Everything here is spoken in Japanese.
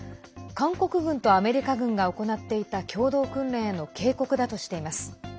韓国軍とアメリカ軍が行っていた共同訓練への警告だとしています。